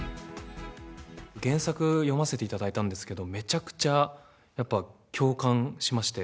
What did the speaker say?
原作読ませていただいたんですけど、めちゃくちゃ、やっぱ共感しまして。